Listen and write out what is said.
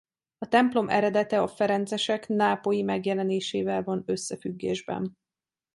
A templom eredete a ferencesek nápolyi megjelenésével van összefüggésben.